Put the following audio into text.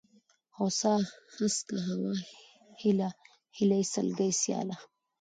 هوسا ، هسکه ، هوا ، هېله ، هيلۍ ، سلگۍ ، سياله